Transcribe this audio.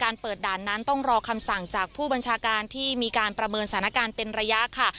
เปิดด่านนั้นต้องรอคำสั่งจากผู้บัญชาการที่มีการประเมินสถานการณ์เป็นระยะค่ะ